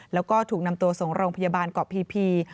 แล้วก็ถูกนำตัวส่งโรงพยาบาลเกาะพี